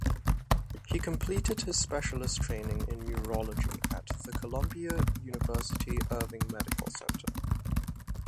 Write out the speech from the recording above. He completed his specialist training in neurology at the Columbia University Irving Medical Center.